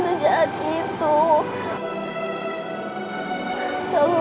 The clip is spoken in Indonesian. bahasa br jeffery kesikitannya